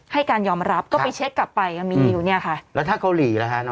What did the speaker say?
ให้การยอมรับก็ไปเช็คกลับไปอ่ะมีอยู่เนี่ยค่ะแล้วถ้าเกาหลีล่ะคะ